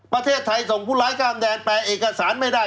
ประเทศไทยส่งผู้ร้ายข้ามแดนแปลเอกสารไม่ได้